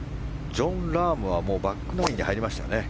ジョン・ラームはもうバックナインに入りました。